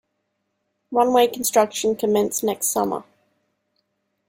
Runway construction commenced next summer.